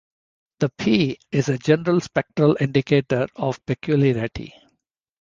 The "p" is a general spectral indicator of peculiarity.